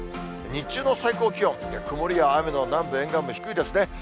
日中の最高気温、曇りや雨の南部沿岸部、低いですね。